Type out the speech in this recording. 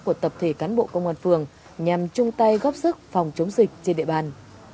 của tập thể cán bộ công an phường nhằm chung tay góp sức phòng chống dịch trên địa bàn